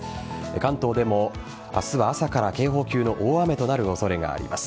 関東でも明日は朝から警報級の大雨となる恐れがあります。